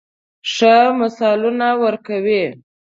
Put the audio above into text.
ښه مثالونه ورکوي.